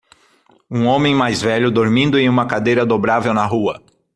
Um homem mais velho dormindo em uma cadeira dobrável na rua.